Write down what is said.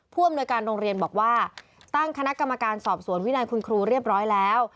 ผู้อำนวยการโรงเรียนบอกว่าตั้งคณะกรรมการสอบสวนวินัยคุณครูเรียบร้อยแล้ว